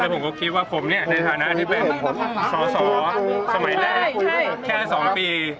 ไม่แต่ผมก็คิดว่าผมเนี่ยในฐานะที่เป็นสอสมัยได้แค่สองปี